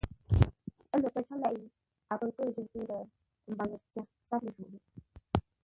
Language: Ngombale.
Ə́ lə pə̂ có leʼé, a pə̂ nkʉ̂ʉ njʉ̂ŋ tû-ndə̂, ə mbaŋə tyâr sáp ləjwôghʼ yé.